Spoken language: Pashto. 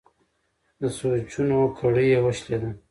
د سوچونو کړۍ یې وشلېده.